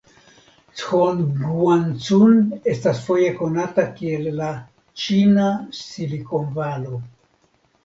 Zhongguancun estas foje konata kiel la "Ĉina Silikonvalo".